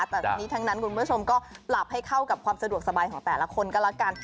แต่ทั้งนี้ทั้งนั้นคุณผู้ชมก็ปรับให้เข้ากับความสะดวกสบายของแต่ละคนก็แล้วกัน